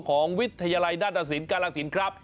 ของวิทยาลัยนาศสินศ์กาลังศิลป์ครับ